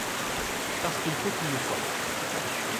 parce qu’il faut qu’il le soit.